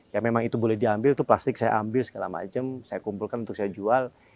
ya memang itu boleh diambil itu plastik saya ambil segala macam saya kumpulkan untuk saya jual